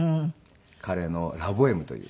彼の『ラ・ボエーム』という。